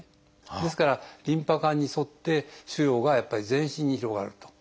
ですからリンパ管に沿って腫瘍がやっぱり全身に広がると。